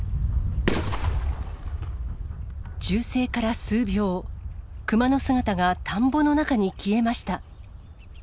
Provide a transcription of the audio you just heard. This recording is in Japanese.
銃声から数秒、熊の姿が田んぼの中に消えました。